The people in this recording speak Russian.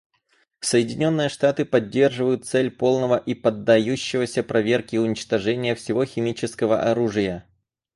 Соединенные Штаты поддерживают цель полного и поддающегося проверке уничтожения всего химического оружия.